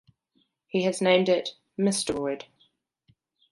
He has named it Mysteroid.